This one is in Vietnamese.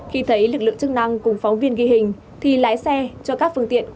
khi thấy lực lượng chức năng cùng phóng viên ghi hình thì lái xe cho các phương tiện